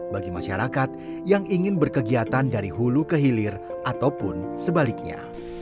bagi masyarakat yang ingin berkegiatan dari hulu ke hilir ataupun sebaliknya